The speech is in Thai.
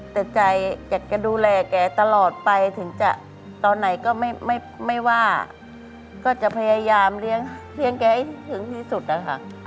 แต่ใจอยากจะดูแลแกตลอดไปถึงจะตอนไหนก็ไม่ว่าก็จะพยายามเลี้ยงแกให้ถึงที่สุดนะคะ